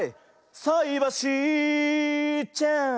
「さいばしちゃん」